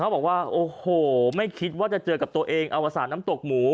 บอกว่าโอ้โหไม่คิดว่าจะเจอกับตัวเองอวสารน้ำตกหมู